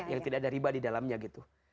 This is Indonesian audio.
yang tidak ada riba di dalamnya gitu